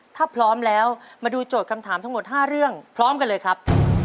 ถ้าพร้อมแล้วมาดูโจทย์คำถามทั้งหมด๕เรื่องพร้อมกันเลยครับ